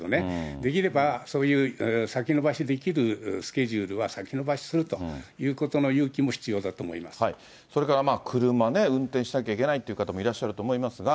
できれば、そういう先延ばしできるスケジュールは先延ばしするということのそれから車ね、運転しなきゃいけないという方もいらっしゃると思いますが。